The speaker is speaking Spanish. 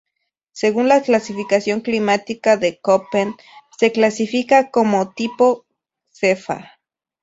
Según la clasificación climática de Köppen se clasifica como de tipo Cfa.